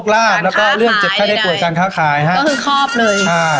แล้วก็เรื่องเจ็บแค่ได้ร่วมผลการค่าขายใช่ไหมก็คือครอบเลยใช่